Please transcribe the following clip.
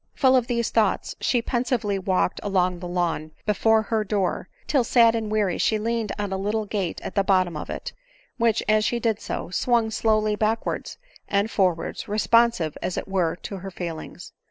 Full of these thoughts she pensively walked along the lawn before her door, till sad and weary she leaned on a little gate at the bottom of it; which, as she did so, swung slowly backwards and for wards, responsive as it were to her feelings.